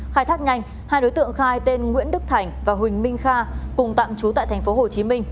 khai thác nhanh hai đối tượng khai tên nguyễn đức thành và huỳnh minh kha cùng tạm trú tại tp hcm